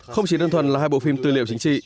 không chỉ đơn thuần là hai bộ phim tư liệu chính trị